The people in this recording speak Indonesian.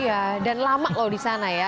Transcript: iya dan lama loh disana ya